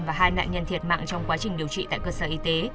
và hai nạn nhân thiệt mạng trong quá trình điều trị tại cơ sở y tế